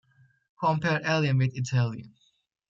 Compare alien with Italian